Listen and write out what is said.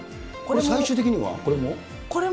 最終的にはこれも？